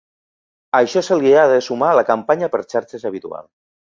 A això se li ha de sumar la campanya per xarxes habitual.